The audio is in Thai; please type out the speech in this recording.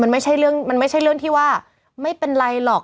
มันไม่ใช่เรื่องที่ว่าไม่เป็นไรหรอก